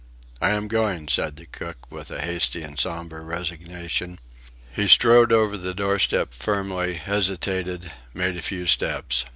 "I am going," said the cook, with a hasty and sombre resignation. He strode over the doorstep firmly hesitated made a few steps.